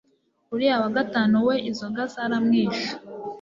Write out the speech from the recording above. uriya wa gatanu we izoga zaramwishe